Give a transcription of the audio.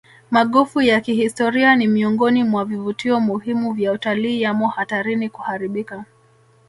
Magofu ya kihistoria ni miongoni mwa vivutio muhimu vya utalii yamo hatarini kuharibika